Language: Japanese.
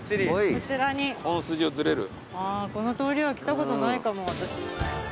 この通りは来たことないかも私。